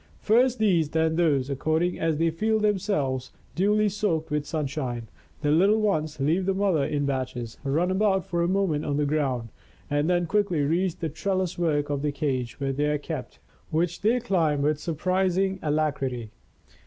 First these, then those, according as they feel themselves duly 191 MY BOOK HOUSE soaked with sunshine, the little ones leave the mother in batches, run about for a moment on the ground, and then quickly reach the trellis work of the cage where they are kept, which they climb with surprising alacrity.